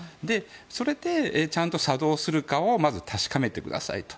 それでちゃんと作動するかをまず確かめてくださいと。